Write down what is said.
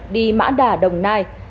đi mã đà đồng nai